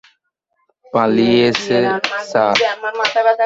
পালিয়েছে, স্যার।